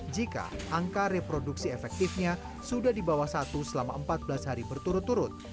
jika angka reproduksi efektifnya sudah di bawah satu selama empat belas hari berturut turut